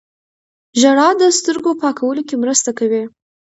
ژړا د سترګو پاکولو کې مرسته کوي